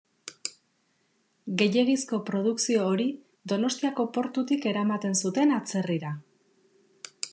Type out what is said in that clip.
Gehiegizko produkzio hori Donostiako portutik eramaten zuten atzerrira.